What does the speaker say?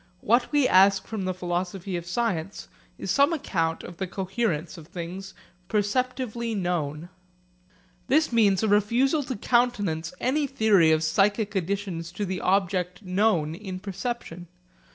What we ask from the philosophy of science is some account of the coherence of things perceptively known. This means a refusal to countenance any theory of psychic additions to the object known in perception.